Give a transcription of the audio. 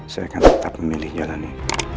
saya akan tetap memilih jalannya